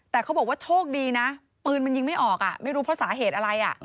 แต่เขาบอกว่าโชคดีนะปืนมันยิงไม่ออกไม่รู้เพราะสาเหตุอะไร